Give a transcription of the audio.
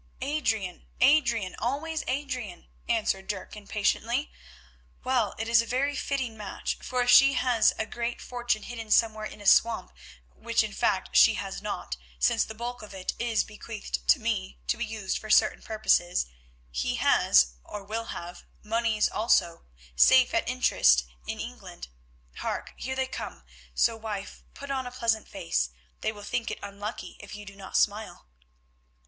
"Adrian, Adrian, always Adrian," answered Dirk impatiently. "Well, it is a very fitting match, for if she has a great fortune hidden somewhere in a swamp, which in fact she has not, since the bulk of it is bequeathed to me to be used for certain purposes; he has, or will have, moneys also—safe at interest in England. Hark! here they come, so, wife, put on a pleasant face; they will think it unlucky if you do not smile."